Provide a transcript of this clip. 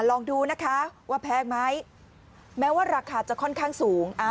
ลองดูนะคะว่าแพงไหมแม้ว่าราคาจะค่อนข้างสูง